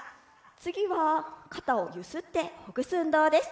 次は肩を揺すってほぐす運動です。